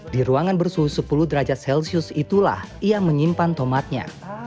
di ruangan bersuhu sepuluh derajat celcius itulah ia menyimpan tomatnya